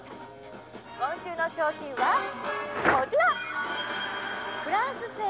今週の商品はこちら！